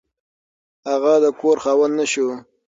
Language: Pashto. هغه د کور خاوند نه شو.